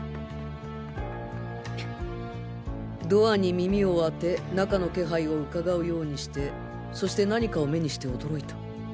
ドアに耳を当て中の気配をうかがうようにしてそして何かを目にして驚いた。